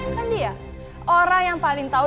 kan dia orang yang paling tahu